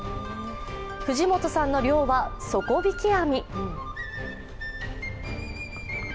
藤本さんの漁は底引き網。